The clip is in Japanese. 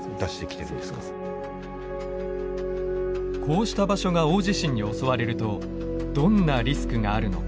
こうした場所が大地震に襲われるとどんなリスクがあるのか。